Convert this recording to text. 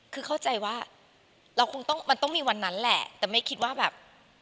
คือเข้าใจว่าเราคงต้องมันต้องมีวันนั้นแหละแต่ไม่คิดว่าแบบ